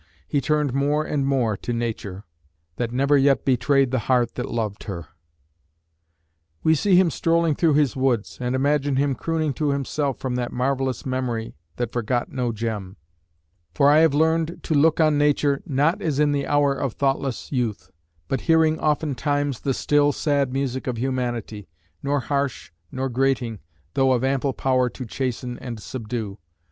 He turned more and more to nature. "That never yet betrayed the heart that loved her " We see him strolling through his woods, and imagine him crooning to himself from that marvellous memory that forgot no gem: For I have learned To look on nature, not as in the hour Of thoughtless youth; but hearing oftentimes The still, sad music of humanity, Nor harsh, nor grating, though of ample power To chasten and subdue.